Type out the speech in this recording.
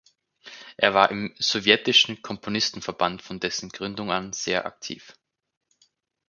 Er war im sowjetischen Komponistenverband von dessen Gründung an sehr aktiv.